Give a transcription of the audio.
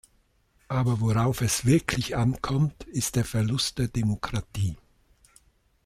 Aber worauf es wirklich ankommt, ist der Verlust der Demokratie.